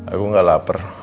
aku gak lapar